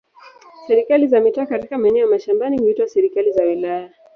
Serikali za mitaa katika maeneo ya mashambani huitwa serikali za wilaya.